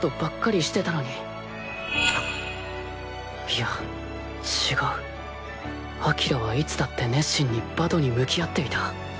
いや違う輝はいつだって熱心にバドに向き合っていた